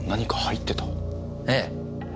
ええ。